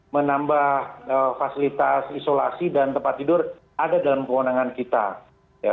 menambah fasilitas isolasi dan tempat tidur ada dalam kewenangan kita ya